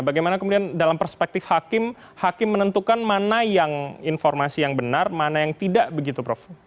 bagaimana kemudian dalam perspektif hakim hakim menentukan mana yang informasi yang benar mana yang tidak begitu prof